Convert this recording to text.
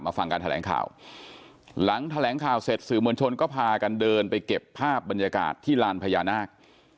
ฟังการแถลงข่าวหลังแถลงข่าวเสร็จสื่อมวลชนก็พากันเดินไปเก็บภาพบรรยากาศที่ลานพญานาค